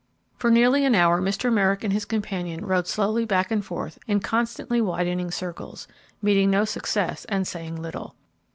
For nearly an hour Mr. Merrick and his companion rowed slowly back and forth in constantly widening circles, meeting with no success and saying little.